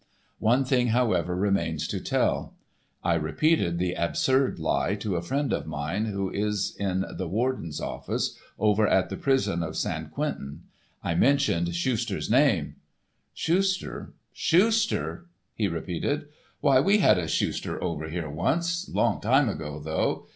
One thing, however, remains to tell. I repeated the absurd lie to a friend of mine who is in the warden's office over at the prison of San Quentin. I mentioned Schuster's name. "Schuster! Schuster!" he repeated; "why we had a Schuster over here once—a long time ago, though.